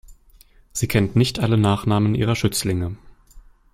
Sie kennt nicht alle Nachnamen ihrer Schützlinge.